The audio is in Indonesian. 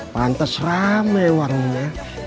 pantes rame warungnya